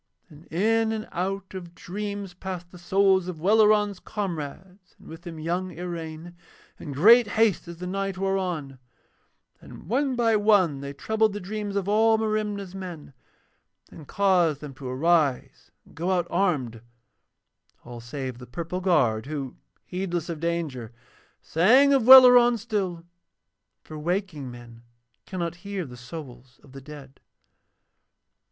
And in and out of dreams passed the souls of Welleran's comrades, and with them young Iraine, in great haste as the night wore on; and one by one they troubled the dreams of all Merimna's men and caused them to arise and go out armed, all save the purple guard who, heedless of danger, sang of Welleran still, for waking men cannot hear the souls of the dead.